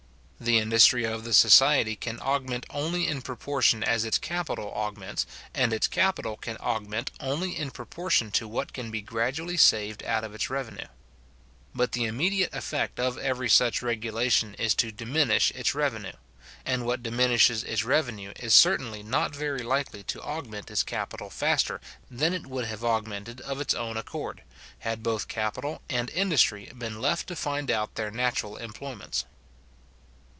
The industry of the society can augment only in proportion as its capital augments, and its capital can augment only in proportion to what can be gradually saved out of its revenue. But the immediate effect of every such regulation is to diminish its revenue; and what diminishes its revenue is certainly not very likely to augment its capital faster than it would have augmented of its own accord, had both capital and industry been left to find out their natural employments.